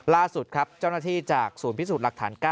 ล่าสุดครับเจ้าหน้าที่จากศูนย์พิสูจน์หลักฐาน๙